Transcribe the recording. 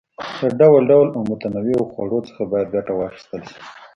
له ډول ډول او متنوعو خوړو څخه باید ګټه واخیستل شي.